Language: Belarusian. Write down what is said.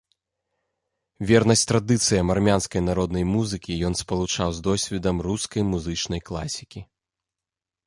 Вернасць традыцыям армянскай народнай музыкі ён спалучаў з досведам рускай музычнай класікі.